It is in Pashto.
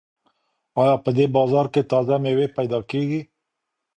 ایا په دې بازار کې تازه مېوې پیدا کیږي؟